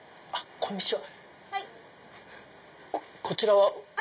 こんにちは。